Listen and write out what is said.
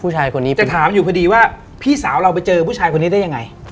จะถามอยู่พอดีว่าพี่สาวเราไปเจอผู้ชายคนนี้ได้ยังไง